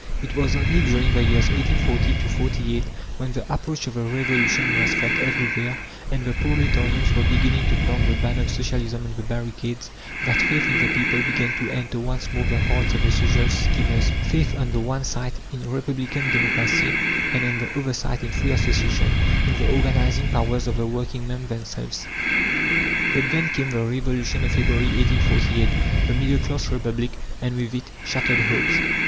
It was only during the years 1840 48, when the approach of the Revolution was felt everywhere, and the proletarians were beginning to plant the banner of Socialism on the barricades, that faith in the people began to enter once more the hearts of the social schemers: faith, on the one side, in Republican Democracy, and on the other side in free association, in the organizing powers of the working men themselves. But then came the Revolution of February, 1848, the middle class Republic, and with it, shattered hopes.